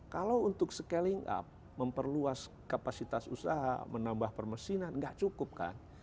kalau untuk scaling up memperluas kapasitas usaha menambah permesinan nggak cukup kan